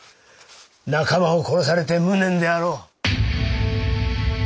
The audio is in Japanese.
仲間を殺されて無念であろう。